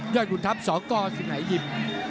ย่อยกุธรัพย์สองก้อสิ่งไหนยิ่ม